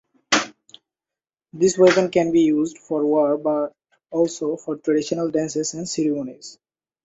This weapon can be used for war but also for traditional dances and ceremonies.